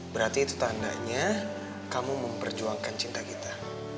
berarti itu tandanya kamu memperjuangkan cinta kita